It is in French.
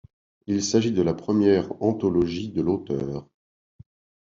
Il s'agit de la première anthologie de l'auteure.